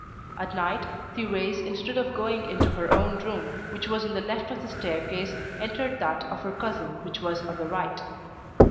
At night, Thérèse, instead of going into her own room, which was on the left of the staircase, entered that of her cousin which was on the right.